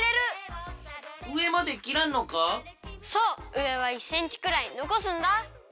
うえは１センチくらいのこすんだ！